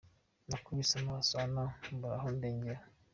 Nakubise amaso Anna mbura aho ndengera.